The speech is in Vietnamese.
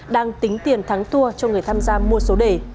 đang tính tiền thắng tour cho người tham gia mua số đề